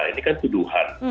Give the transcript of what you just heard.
ini kan tuduhan